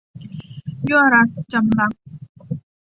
ยั่วรัก - จำลักษณ์